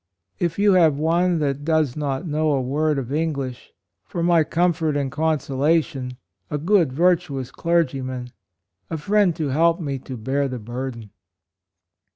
If you have one that does not know a word of English, for my comfort and conso 124 HIS MISSION, lation — a good virtuous clergyman — a friend to help me to bear the burden."